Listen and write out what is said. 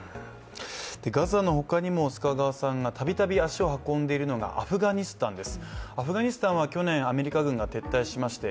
ガザの他にも、たびたび足を運んでいるのがアフガニスタンです。